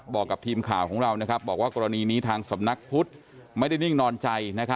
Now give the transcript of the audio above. บอกกับทีมข่าวของเราบอกว่ากรณีนี้ทางสำนักพุทธไม่ได้นิ่งนอนใจ